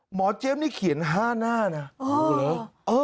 หมอเจี๊ยบนี่เขียน๕หน้าน่ะดูเลย